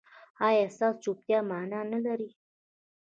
ایا ستاسو چوپتیا معنی نلري؟